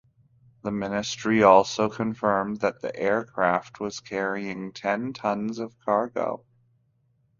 The ministry also confirmed that the aircraft was carrying ten tons of cargo.